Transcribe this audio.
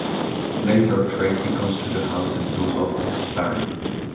Later, Tracey comes to the house and goes off with Sarah.